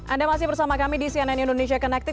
anda masih bersama kami di cnn indonesia connected